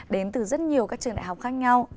đến từ rất nhiều các trường đại học khác nhau